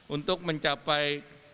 untuk mencapai kemampuan